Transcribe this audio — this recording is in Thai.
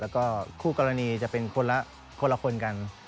แล้วก็คู่กรณีจะเป็นคนละคนละคนกัน